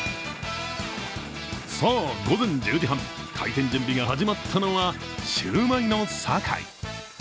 さあ午前１０時半、開店準備が始まったのはシューマイのさかい。